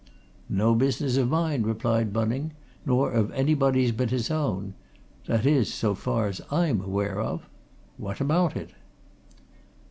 "No business of mine," replied Bunning. "Nor of anybody's but his own. That is, so far as I'm aware of. What about it?"